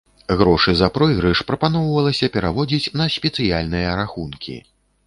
Грошы за пройгрыш прапаноўвалася пераводзіць на спецыяльныя рахункі.